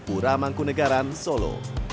uramangku negaran solo